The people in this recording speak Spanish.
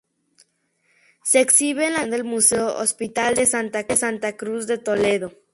Se exhibe en la colección del Museo-Hospital de Santa Cruz de Toledo.